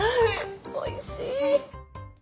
おいしい！